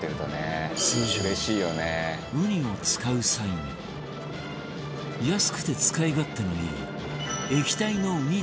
通常ウニを使う際には安くて使い勝手のいい液体のウニ